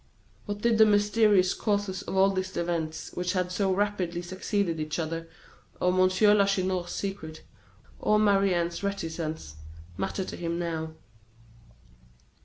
What did the mysterious causes of all these events which had so rapidly succeeded each other, or M. Lacheneur's secrets, or Marie Anne's reticence, matter to him now?